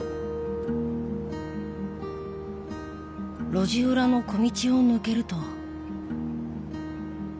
路地裏の小道を抜けると。